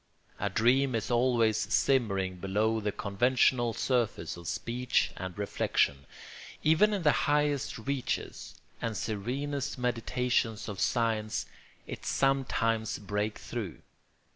A dream is always simmering below the conventional surface of speech and reflection. Even in the highest reaches and serenest meditations of science it sometimes breaks through.